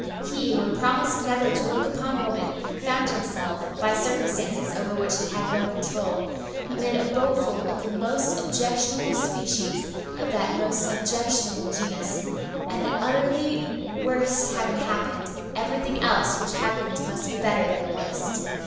He who had promised never to look upon woman found himself, by circumstances over which he had no control, amid a boatful of the most objectionable species of that most objectionable genus and the utterly worst having happened, everything else which happened must be better than the worst.